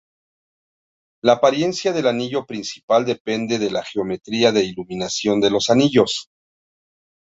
La apariencia del anillo principal depende de la geometría de iluminación de los anillos.